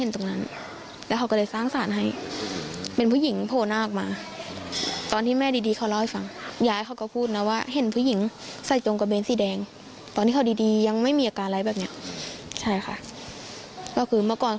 ที่ที่อยู่ด้วยกันบอกว่าให้เอามาคืน